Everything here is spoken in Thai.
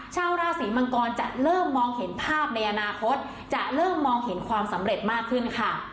ชาวราศีมังกรจะเริ่มมองเห็นภาพในอนาคตจะเริ่มมองเห็นความสำเร็จมากขึ้นค่ะ